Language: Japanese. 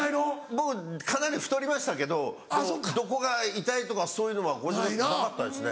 僕かなり太りましたけどでもどこが痛いとかそういうのはなかったですね